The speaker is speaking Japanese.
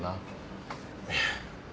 いや。